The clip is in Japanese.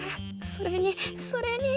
それにそれに。